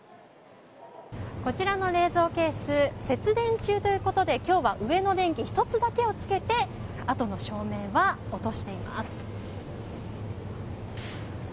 こちらの冷蔵ケース節電中ということで今日は上の電気１つだけをつけてあとの照明は落としています。